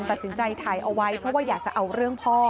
ตัดสินใจถ่ายเอาไว้เพราะว่าอยากจะเอาเรื่องพ่อ